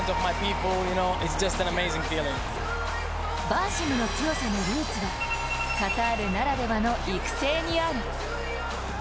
バーシムの強さのルーツはカタールならではの育成にある。